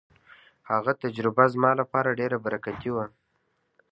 هغه تجربه زما لپاره ډېره برکتي وه.